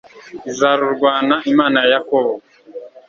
izarurwana imana ya yakobo